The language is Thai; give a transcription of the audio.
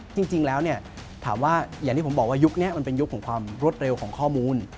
จริงแล้วเนี่ยถามว่าอย่างที่ผมบอกว่ายุคนี้มันเป็นยุคของความรวดเร็วของข้อมูล